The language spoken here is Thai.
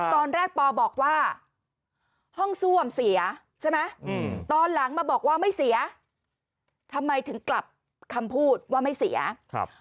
ตอนแรกปอบอกว่าห้องซ่วมเสียใช่ไหมอืมตอนหลังมาบอกว่าไม่เสียทำไมถึงกลับคำพูดว่าไม่เสียครับ